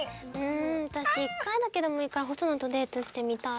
私一回だけでもいいからホソノとデートしてみたい。